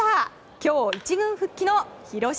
今日１軍復帰の広島